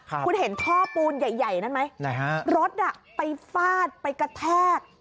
คุณเห็นท่อปูนใหญ่นั้นไหมรถไปฟาดไปกระแทก